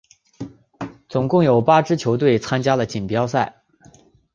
总共有八支球队参加了锦标赛。